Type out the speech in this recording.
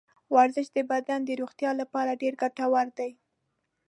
ورزش د بدن د روغتیا لپاره ډېر ګټور دی.